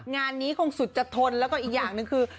งานนี้คงสุดจะทนแล้วก็อีกอย่างหนึ่งคือ